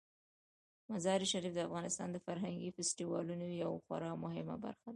مزارشریف د افغانستان د فرهنګي فستیوالونو یوه خورا مهمه برخه ده.